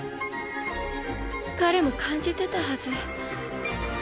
彼も感じてたはず。